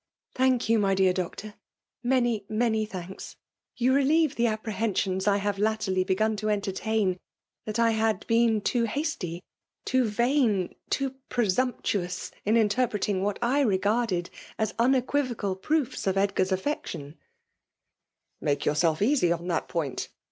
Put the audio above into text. " Thank you, my dear Doctor^— many, many thanks. You relieve the apprehepsioiie I have latterly began to entertain that I had been too hasty — ^too vain — ^too presumptuoi iiLmteipieting what I regarded as lUieqnivo^' eal'proofa of Edgar's affection/* '' Make yourself easy on that point.